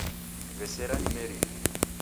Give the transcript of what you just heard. W'esera nimerie